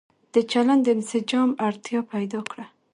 د چلن د انسجام اړتيا پيدا کړه